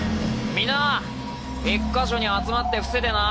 みんな１か所に集まって伏せてな。